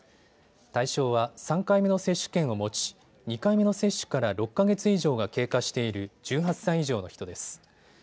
対象は３回目の接種券を持ち２回目の接種から６か月以上が経過している１８歳以上の人です。